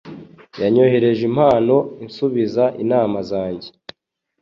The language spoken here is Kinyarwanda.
Yanyoherereje impano ansubiza inama zanjye